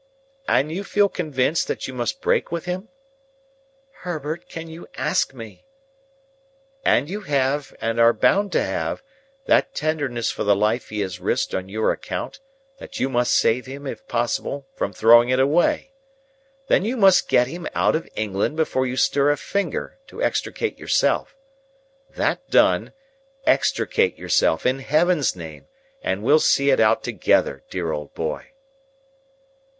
"And you feel convinced that you must break with him?" "Herbert, can you ask me?" "And you have, and are bound to have, that tenderness for the life he has risked on your account, that you must save him, if possible, from throwing it away. Then you must get him out of England before you stir a finger to extricate yourself. That done, extricate yourself, in Heaven's name, and we'll see it out together, dear old boy."